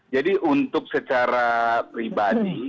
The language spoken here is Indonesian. jadi untuk secara pribadi